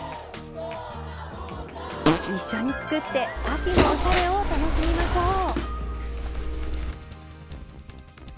一緒に作って秋のおしゃれを楽しみましょう！